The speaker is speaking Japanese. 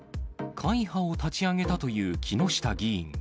会派を立ち上げたという木下議員。